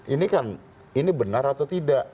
ini kan ini benar atau tidak